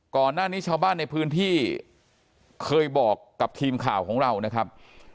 ก่อนหน้านี้ชาวบ้านในพื้นที่เคยบอกกับทีมข่าวของเรานะครับ